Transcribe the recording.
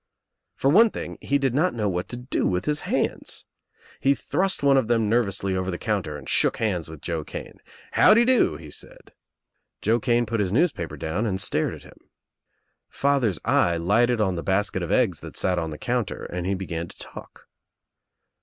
For one thing, he did not know what to do with his hands. He thrust one of them nervously over the counter and shook hands with Joe Kane. "How de do," he said. Joe Kane put his newspaper down and stared at him. Father's eye lighted on the basket of eggs that sat on the counter and he began to talk.